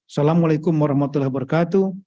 assalamu'alaikum warahmatullahi wabarakatuh